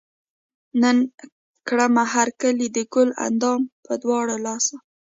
نن کړمه هر کلے د ګل اندام پۀ دواړه لاسه